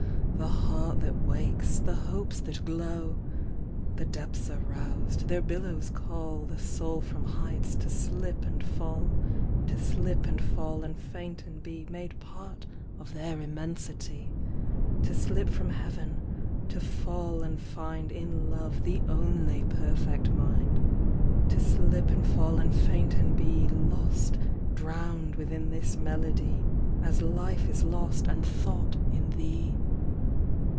The heart that wakes, the hopes that glow! The depths are roused: their billows callThe soul from heights to slip and fall; To slip and fall and faint and beMade part of their immensity; To slip from Heaven; to fall and findIn love the only perfect mind; To slip and fall and faint and beLost, drowned within this melody, As life is lost and thought in thee.